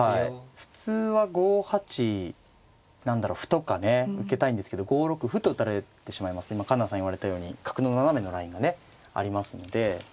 普通は５八何だろう歩とかね受けたいんですけど５六歩と打たれてしまいますと今環那さん言われたように角の斜めのラインがねありますんで。